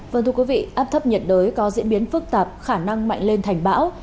vâng thưa quý vị áp thấp nhiệt đới có diễn biến phức tạp khả năng mạnh lên thành bão